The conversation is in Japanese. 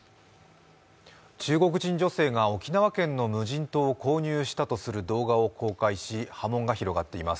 中国人女性が沖縄県の無人島を購入したとする動画を公開し波紋が広がっています。